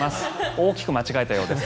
大きく間違えたようです。